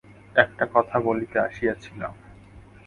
একটা কথা বলিতে আসিয়াছিলাম।